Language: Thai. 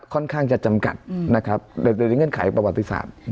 ค่อนข้างจะจำกัดนะครับในเงื่อนไขประวัติศาสตร์